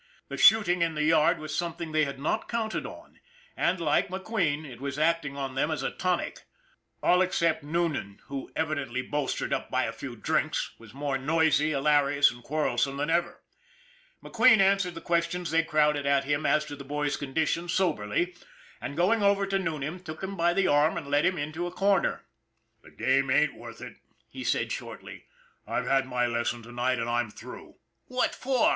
The shooting in the yard was something they had not counted on and, like McQueen, it was acting on them as a tonic. All except Noonan who, evidently bolstered up with a few 288 ON THE IRON AT BIG CLOUD drinks, was more noisy, hilarious and quarrelsome than ever. McQueen answered the questions they crowded at him as to the boy's condition soberly, and going over to Noonan took him by the arm and led him into a corner. :( The game ain't worth it," he said shortly. " I've had my lesson to night and I'm through !";< What for